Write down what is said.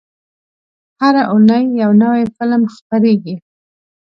هره اونۍ یو نوی فلم خپرېږي.